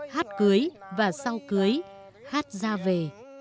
hát cưới và sau cưới hát ra về